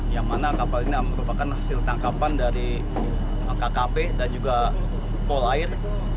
yang mana kapal ini merupakan hasil tangkapan dari kkp dan juga polair